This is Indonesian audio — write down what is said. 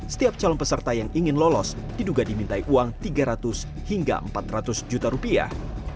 setiap calon peserta yang ingin lolos diduga dimintai uang tiga ratus hingga empat ratus juta rupiah